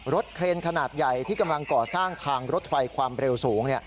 เครนขนาดใหญ่ที่กำลังก่อสร้างทางรถไฟความเร็วสูง